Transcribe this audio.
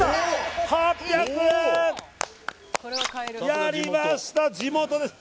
やりました、地元です！